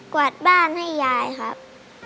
วาดบ้านให้ยายครับ